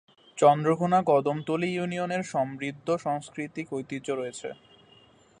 চন্দ্রঘোনা কদমতলী ইউনিয়নের সমৃদ্ধ সাংস্কৃতিক ঐতিহ্য রয়েছে।